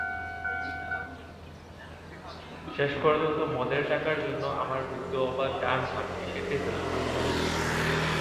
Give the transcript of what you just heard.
শেষ পর্যন্ত মদের টাকার জন্য আমার বৃদ্ধ বাবার ডান হাতটি কেটে ফেলল।